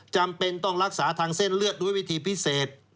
จำเป็นต้องรักษาทางเส้นเลือดด้วยวิธีพิเศษ